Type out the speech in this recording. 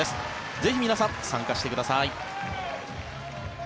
ぜひ皆さん、参加してください。